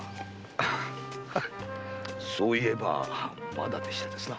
そういえばまだでしたな。